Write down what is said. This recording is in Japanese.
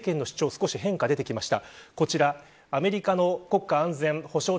少し変化が出てきました。